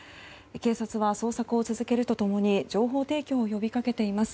警察は捜索を続けると共に情報提供を呼びかけています。